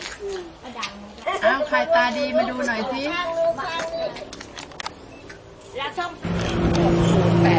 เอ้าใครตาดีมาดูหน่อยที่